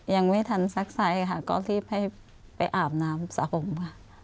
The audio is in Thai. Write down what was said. ยังไม่ทันซักไซส์ค่ะก็รีบให้ไปอาบน้ำสระผมค่ะ